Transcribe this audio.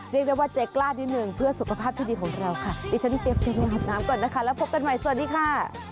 เรียกว่าเจ็ดกล้านิดนึงเพื่อสุขภาพดีของเราค่ะช่วงนี้ก็พบกันใหม่สวัสดีค่ะ